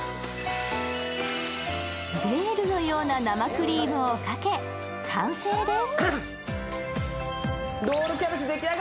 ベールのような生クリームをかけ完成です。